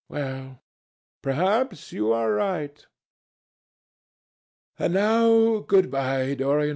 "Well, perhaps you are right. And now good bye, Dorian.